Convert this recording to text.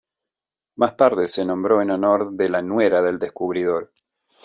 Más tarde se nombró en honor de la nuera del descubridor.